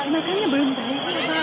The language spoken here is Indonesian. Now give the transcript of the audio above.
makanya belum baik